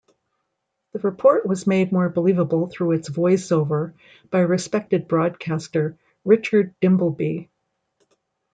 The report was made more believable through its voice-over by respected broadcaster Richard Dimbleby.